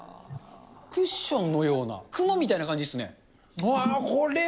クッションのような、雲みたいな感じですね。